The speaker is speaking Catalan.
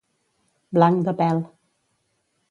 Blanc de pèl.